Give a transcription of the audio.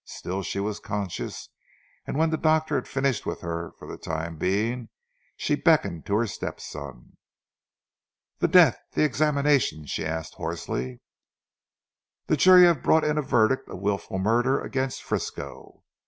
Still she was conscious, and when the doctor had finished with her for the time being she beckoned to her step son. "The death the examination?" she asked hoarsely. "The jury have brought in a verdict of wilful murder against Frisco."